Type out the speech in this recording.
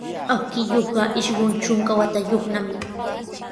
Awkilluuqa isqun trunka watayuqnami.